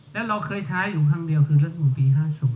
และเราเคยใช้อยู่ครั้งเดียวคือรัฐมนูลปี๕๐